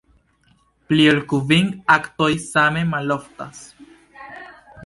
Pli ol kvin aktoj same maloftas.